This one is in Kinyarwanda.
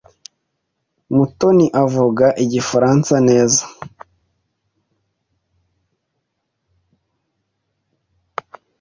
Mutoni avuga Igifaransa neza?